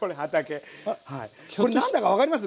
これ何だか分かります？